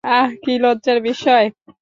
আহ, কি লজ্জার বিষয়!